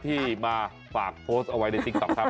ที่มาฝากโพสต์เอาไว้ในติ๊กต๊อกครับ